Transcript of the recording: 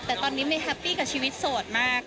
แต่ตอนนี้ไม่แฮปปี้กับชีวิตโสดมาก